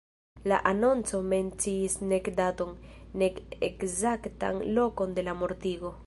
La anonco menciis nek daton, nek ekzaktan lokon de la mortigo.